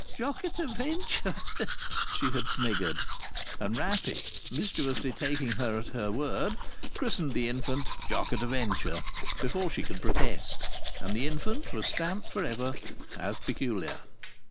"Jock at a Venture," she had sniggered, and Rappey, mischievously taking her at her word, christened the infant Jock at a Venture before she could protest; and the infant was stamped for ever as peculiar.